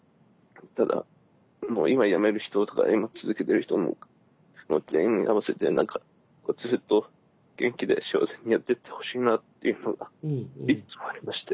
ただもう今辞める人とか今続けてる人ももう全員合わせて何かずっと元気で幸せにやってってほしいなっていうのがいっつもありまして。